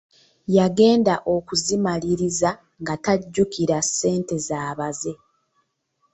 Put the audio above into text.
Yagenda okuzimaliriza nga tajjukira ssente z'abaze!